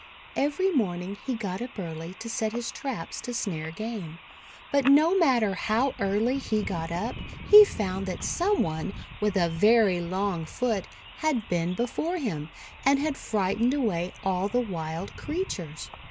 Every morn ing he got up early to set his traps to snare game. But no matter how early he got up, he found that some one with a very long foot had been be fore him, and had frightened away all the wild creatures.